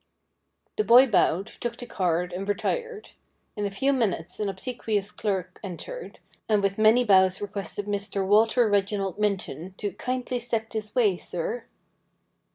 The boy bowed, took the card, and retired. In a few minutes an obsequious clerk entered, and with many bows requested Mr. Walter Reginald Minton to ' kindly step this way, sir.'